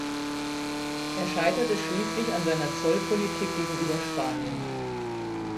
Er scheiterte schließlich an seiner Zollpolitik gegenüber Spanien.